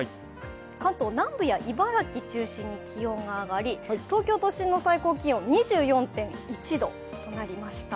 関東南部や茨城中心に気温が上がり、東京都心の最高気温２４．１度となりました。